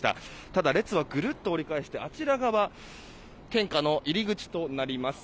ただ、列はぐるっと折り返してあちら側献花の入り口となります。